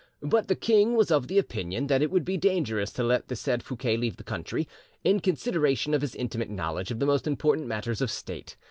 "But the king was of the opinion that it would be dangerous to let the said Fouquet leave the country, in consideration of his intimate knowledge of the most important matters of state.